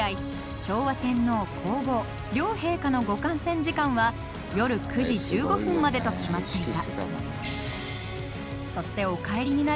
昭和天皇皇后両陛下のご観戦時間は夜９時１５分までと決まっていた。